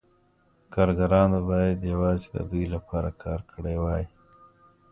کارګرانو باید یوازې د دوی لپاره کار کړی وای